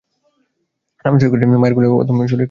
নাম সই করেছে, মায়ের কোলের অধম শরিক, শ্রীঅম্বিকাচরণ গুপ্ত।